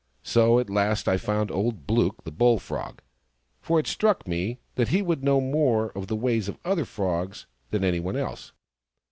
So at last I found old Blook, the Bull frog, for it struck me that he would know more of the ways of other Frogs than anyone else.